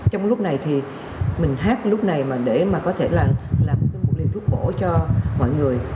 trong lúc này thì mình hát lúc này để có thể làm một liều thuốc bổ cho mọi người